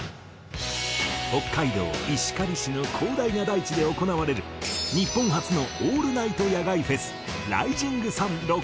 北海道石狩市の広大な大地で行われる日本初のオールナイト野外フェス